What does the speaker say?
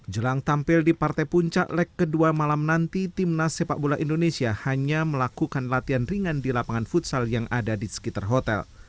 jelang tampil di partai puncak leg kedua malam nanti timnas sepak bola indonesia hanya melakukan latihan ringan di lapangan futsal yang ada di sekitar hotel